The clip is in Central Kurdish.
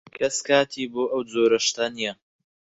کەس کاتی بۆ ئەو جۆرە شتە نییە.